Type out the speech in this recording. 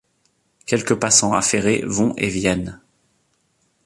Quelques passants affairés vont et viennent.